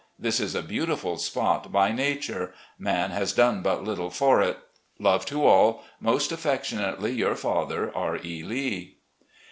This is a beautiful spot by nature — ^man has done but little for it. Love to all. Most affectionately, "Your father, "R. E. Lee."